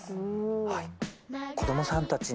はい